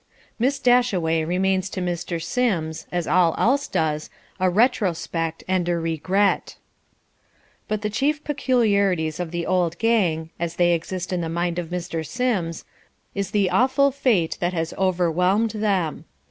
Miss Dashaway remains to Mr. Sims, as all else does, a retrospect and a regret. But the chief peculiarities of the old gang as they exist in the mind of Mr. Sims is the awful fate that has overwhelmed them.